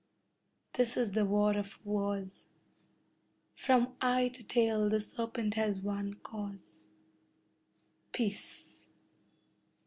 This is the war of wars, from eye to tail the serpent has one cause: PEACE!